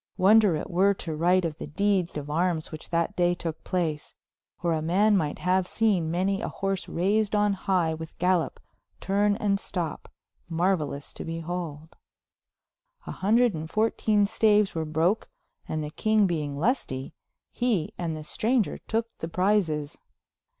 Wonder it were to write of the dedes of Armes which that day toke place, where a man might haue seen many a horse raysed on highe with galop, turne and stoppe, maruaylous to behold. C.xiv staves were broke and the kynge being lusty, he and the straunger toke the prices.